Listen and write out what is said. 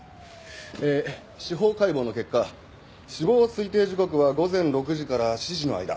ええ司法解剖の結果死亡推定時刻は午前６時から７時の間。